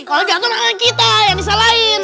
kalau jatuh lah kalian kita yang disalahin